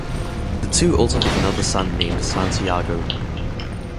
The two also have another son named Santiago.